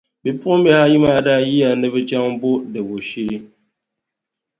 Bipuɣimbihi ayi maa daa yiya ni bɛ chaŋ m-bo Debo shee.